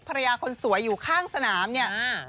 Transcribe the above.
ภรรยาคนสวยอยู่ข้างสนามเนี่ย